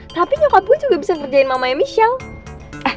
tapi nyokap gue juga bisa ngerjain mamanya michelle